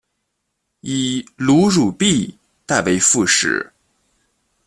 以卢汝弼代为副使。